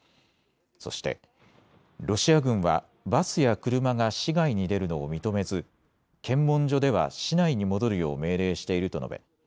そして、ロシア軍はバスや車が市外に出るのを認めず検問所では市内に戻るよう命令していると述べ